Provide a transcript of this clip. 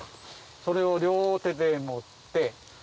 それを両手で持って。